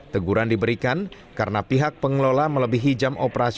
teguran diberikan karena pihak pengelola melebihi jam operasi